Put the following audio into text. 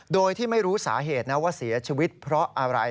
โดยที่ไม่รู้สาเหตุนะว่าเสียชีวิตเพราะอะไร